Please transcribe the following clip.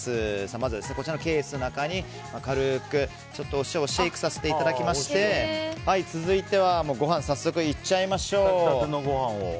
まずこちらのケースの中に軽くお塩をシェイクさせていただきまして続いては、炊き立てのご飯を早速いっちゃいましょう。